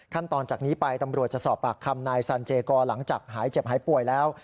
จากนี้ไปตำรวจจะสอบปากคำนายสันเจกรหลังจากหายเจ็บหายป่วยแล้ว